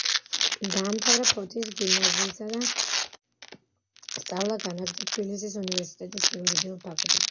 დაამთავრა ფოთის გიმნაზია და სწავლა განაგრძო თბილისის უნივერსიტეტის იურიდიულ ფაკულტეტზე.